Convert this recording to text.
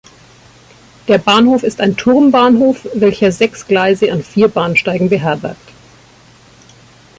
Der Bahnhof ist ein Turmbahnhof, welcher sechs Gleise an vier Bahnsteigen beherbergt.